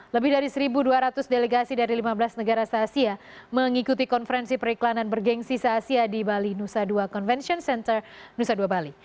lebih dari satu dua ratus delegasi dari lima belas negara se asia mengikuti konferensi periklanan bergensi se asia di bali nusa dua convention center nusa dua bali